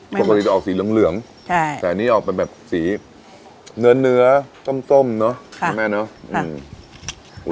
ปกติจะออกสีเหลืองแต่อันนี้ออกเป็นแบบสีเนื้อส้มเนอะคุณแม่เนอะ